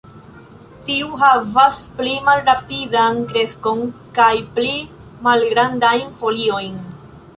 Tiu havas pli malrapidan kreskon kaj pli malgrandajn foliojn.